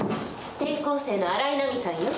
転校生の新井波さんよ。